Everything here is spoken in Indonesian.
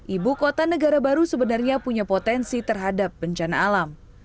ibu kota negara baru sebenarnya punya potensi terhadap bencana alam